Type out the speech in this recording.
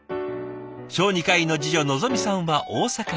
小児科医の次女のぞみさんは大阪から。